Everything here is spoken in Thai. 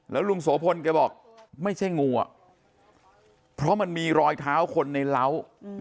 แล้วลุงโสพลว่าไม่ใช่งูอ่ะเพราะมันมีรอยเท้าคนในร้าว